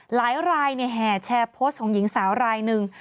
หลายรายแห่แชร์โพสต์ของหญิงสาวรายหนึ่ง